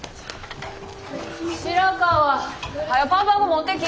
白川！はよパンパン粉持ってき！